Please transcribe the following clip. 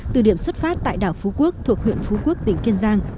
từ điểm xuất phát tại đảo phú quốc thuộc huyện phú quốc tỉnh kiên giang